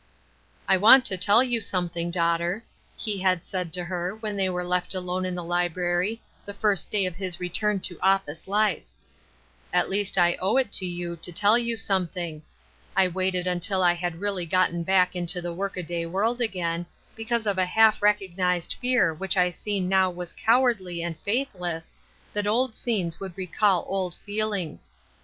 " I want to tell you something, daughter," he had said to her when they were left alone in the library, the first day of his return to office life. " At least I owe it to you to tell you something. 2 waited until I had really gotten back into the work a day world again, because of a half recog nized fear which I see now was cowardly and faithless, that old scenes would recall old feel ings.